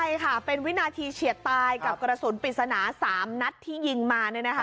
ใช่ค่ะเป็นวินาทีเฉียดตายกับกระสุนปริศนา๓นัดที่ยิงมา